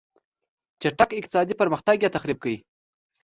چټک اقتصادي پرمختګ یې تجربه کړ.